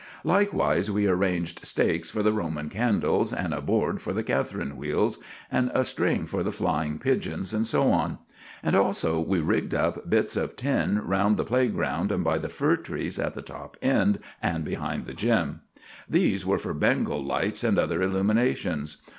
Likewise we arranged stakes for the Roman candles, and a board for the Catharine wheels, and a string for the flying pigeons, and so on. And also we rigged up bits of tin round the playground and by the fir trees at the top end and behind the gym. These were for Bengal lights and other illuminations.